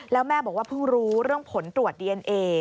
แล้วแม่บอกว่าเพิ่งรู้เรื่องผลตรวจดีเอนเอ